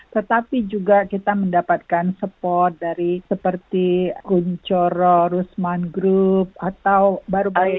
tetapi juga kita mendapatkan support dari seperti kunchoro rusman group atau baru baru